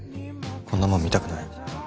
こんなもん見たくない